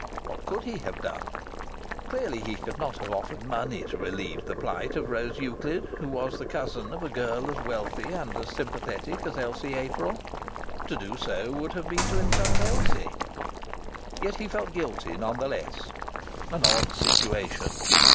What could he have done? Clearly he could not have offered money to relieve the plight of Rose Euclid, who was the cousin of a girl as wealthy and as sympathetic as Elsie April. To do so would have been to insult Elsie. Yet he felt guilty, none the less. An odd situation!